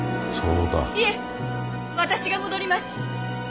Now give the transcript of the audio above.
いえ私が戻ります。